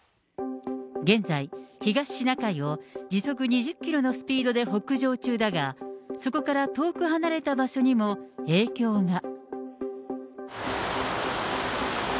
現在、東シナ海を時速２０キロのスピードで北上中だが、そこから遠く離れた場所にも影響が。